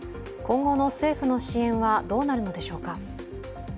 今後の政府の支援はどうなるのでしょうか。